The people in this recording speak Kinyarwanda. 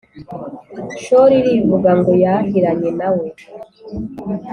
shori irivuga ngo yahiranye na we.